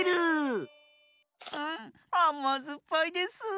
あまずっぱいです。